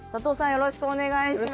よろしくお願いします。